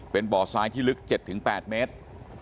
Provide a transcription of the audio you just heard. เป็นบ่อซ้ายที่ลึก๗๘เมตร